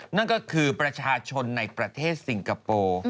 นั่นก็คือประชาชนในประเทศสิงคโปร์